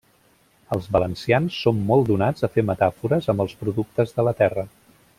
Els valencians som molt donats a fer metàfores amb els productes de la terra.